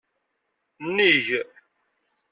Nnig.